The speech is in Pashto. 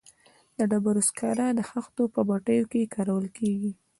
د ډبرو سکاره د خښتو په بټیو کې کارول کیږي